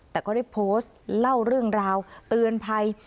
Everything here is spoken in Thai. แต่ก็ได้โพสต์เล่าเรื่องราวเตือนภัย